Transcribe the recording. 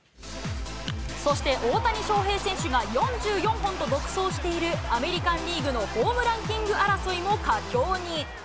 そして大谷翔平選手が４４本と独走しているアメリカンリーグのホームランキング争いも佳境に。